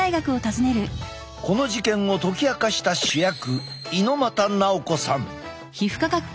この事件を解き明かした主役猪又直子さん。